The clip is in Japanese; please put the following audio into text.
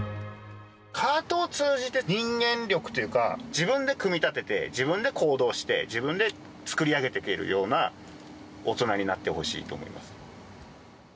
カートを通じて、人間力というか、自分で組み立てて、自分で行動して、自分で作り上げていけるような大人になってほしいと思います。